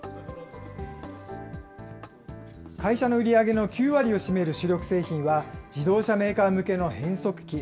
会社の売り上げの９割を占める主力製品は、自動車メーカー向けの変速機。